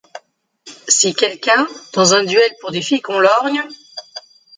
Si quelqu'un, dans un duel pour des filles qu'on lorgne